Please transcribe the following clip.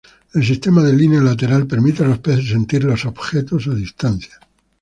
El sistema de línea lateral permite a los peces "sentir" los objetos a distancia.